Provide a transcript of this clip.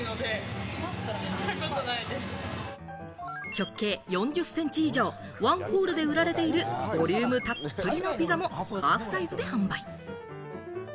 直径４０センチ以上、ワンホールで売られているボリュームたっぷりのピザもハーフサイズで販売。